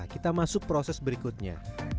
kita masuk proses berikutnya